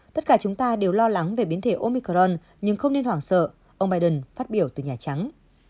tất cả chúng ta đều lo lắng về biến thể omicron nhưng không nên hoảng sợ ông biden phát biểu từ nhà trắng